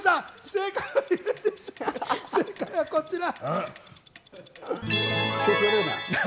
正解はこちら。